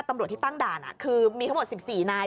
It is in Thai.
ที่ตั้งด่านช่วยมีกับหมด๑๔นาย